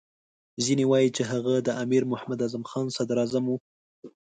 ځینې وایي چې هغه د امیر محمد اعظم خان صدراعظم وو.